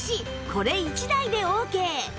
これ１台でオーケー！